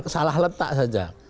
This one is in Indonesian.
salah letak saja